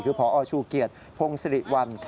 คือพอชูเกียจพงศิริวัณฑ์